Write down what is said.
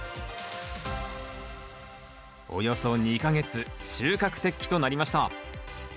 およそ２か月収穫適期となりました